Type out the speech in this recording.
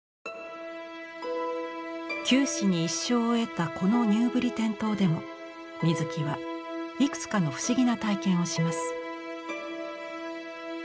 九死に一生を得たこのニューブリテン島でも水木はいくつかの不思議な体験をします。